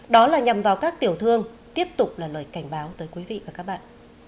đó là nhằm vào các tiểu thương tiếp tục là lời cảnh báo tới quý vị và các bạn